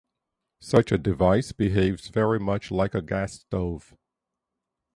Such a device behaves very much like a gas stove.